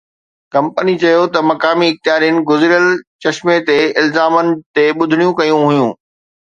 company چيو ته مقامي اختيارين گذريل چشمي تي الزامن تي ٻڌڻيون ڪيون هيون